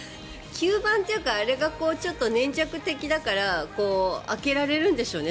吸盤というかあれが粘着的だから開けられるんでしょうね。